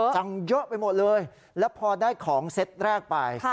จังเยอะไปหมดเลยแล้วพอได้ของเซตแรกไป